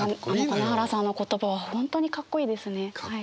金原さんの言葉は本当にかっこいいですね。